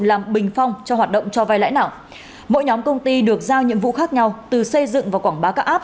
làm bình phong cho hoạt động cho vai lãi nặng mỗi nhóm công ty được giao nhiệm vụ khác nhau từ xây dựng và quảng bá các app